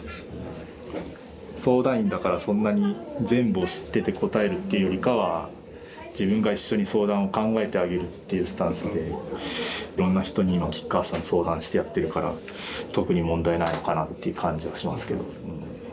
相談員だからそんなに全部を知ってて答えるっていうよりかは自分が一緒に相談を考えてあげるっていうスタンスでいろんな人に今吉川さん相談してやってるから特に問題ないのかなっていう感じはしますけど。